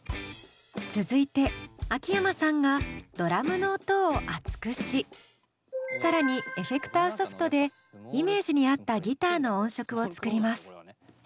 続いて秋山さんがドラムの音を厚くし更にエフェクターソフトでイメージに合ったギターの音色を作ります。